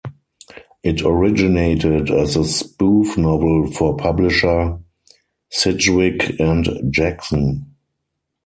It originated as a spoof novel for publisher Sidgwick and Jackson.